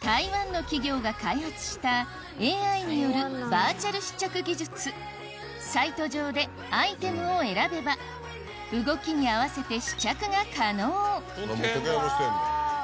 台湾の企業が開発したＡＩによるバーチャル試着技術サイト上でアイテムを選べば動きに合わせて試着が可能時計もしてんだ。